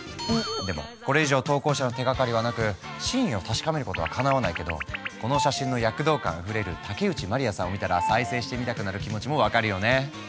でもこれ以上投稿者の手がかりはなく真意を確かめることはかなわないけどこの写真の躍動感あふれる竹内まりやさんを見たら再生してみたくなる気持ちも分かるよね。